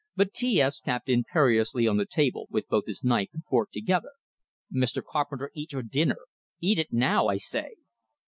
But T S tapped imperiously on the table, with both his knife and fork together. "Mr. Carpenter, eat your dinner! Eat it, now, I say!"